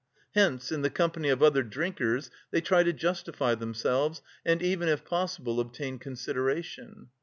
Hence in the company of other drinkers they try to justify themselves and even if possible obtain consideration.